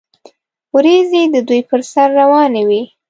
وریځې د دوی پر سر روانې وې.